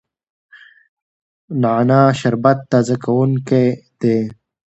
نعنا شربت تازه کوونکی دی.